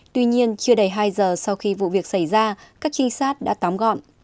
tuy nhiên chưa đầy hai giờ sau khi vụ việc xảy ra các trinh sát đã tóm gọn